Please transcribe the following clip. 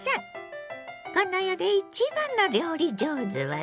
この世で一番の料理上手はだれ？